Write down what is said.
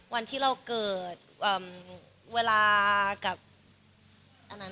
วันที่เราเกิดเวลากับอันนั้น